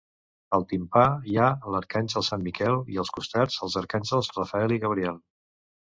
Al timpà hi ha l'arcàngel Sant Miquel i als costats els arcàngels Rafael i Gabriel.